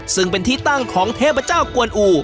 ซึ่งเป็นของเทพเจ้ากวนอู่